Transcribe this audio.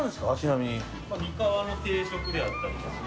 「みかわの定食」であったりですね。